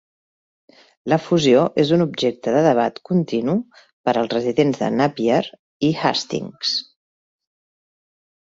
La fusió és un objecte de debat continu per als residents de Napier i Hastings.